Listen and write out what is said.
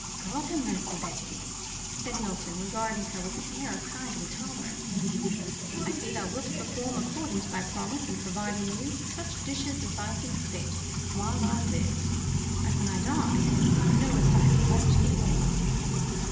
"God ha' mercy, Betty," said Milton, regarding her with an air of kindly tolerance, "I see thou wilt perform according to thy promise in providing me such dishes as I think fit while I live; and when I die, thou knowest I have left thee all."